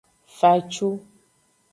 Fa ecu.